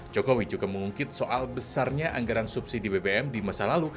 jokowi juga mengungkit soal besarnya anggaran subsidi bbm di masa lalu